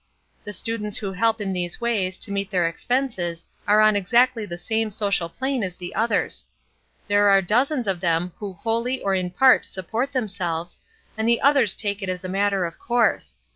The students who help in these ways to meet their expenses are on exactly the same social plane as the others. There are dozens of them who wholly or in part support themselves, and the others take it as a matter of course.